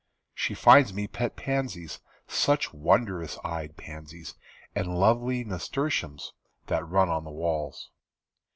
She finds me pet pansies. Such wondrous eyed pansies, And lovely nasturtiums That run on the walls.